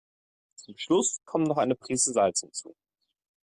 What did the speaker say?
Zum Schluss kommt noch eine Priese Salz hinzu.